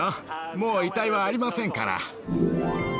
もう遺体はありませんから。